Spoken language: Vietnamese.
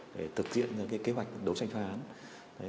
để thực hiện kế hoạch đấu tranh phá án